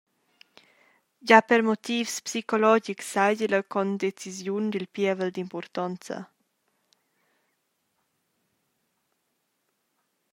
Gia per motivs psicologics seigi la condecisiun dil pievel d’impurtonza.